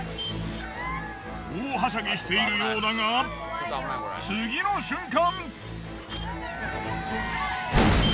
大はしゃぎしているようだが次の瞬間！